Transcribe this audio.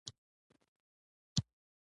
خو خبرې یې درنې او ستړې وې.